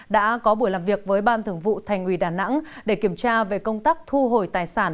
đã có buổi làm việc với ban thưởng vụ thành ủy đà nẵng để kiểm tra về công tác thu hồi tài sản